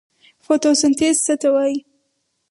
فوتوسنتیز څه ته وایي؟